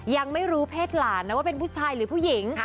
ยังไม่รู้เพศหลานนะว่าเป็นผู้ชายหรือผู้หญิง